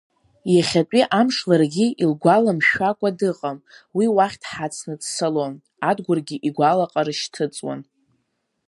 Иахьатәи амш ларгьы илгәаламшәакәа дыҟам, уи уахь дҳацны дцалон, Адгәыргьы игәалаҟара шьҭыҵуан…